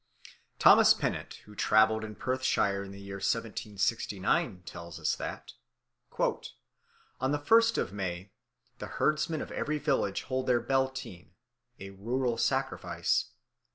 Thomas Pennant, who travelled in Perthshire in the year 1769, tells us that "on the first of May, the herdsmen of every village hold their Bel tien, a rural sacrifice.